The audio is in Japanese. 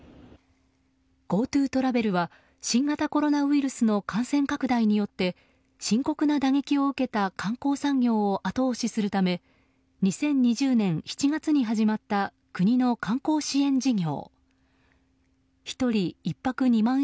ＧｏＴｏトラベルは新型コロナウイルスの感染拡大によって深刻な打撃を受けた観光産業を後押しするため２０２０年７月に始まった国の観光支援事業。